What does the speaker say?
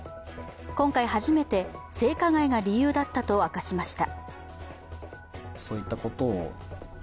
今回初めて性加害が理由だったと明かしました。